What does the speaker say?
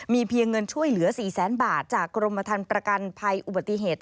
มีเพียงเงินช่วยเหลือ๔แสนบาทจากกรมทันประกันภัยอุบัติเหตุ